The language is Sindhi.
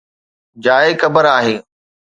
جاءِ قبر آهي